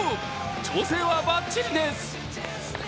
調整はバッチリです。